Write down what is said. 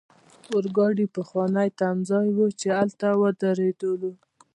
د اورګاډي پخوانی تمځای وو، چې هلته ودریدلو.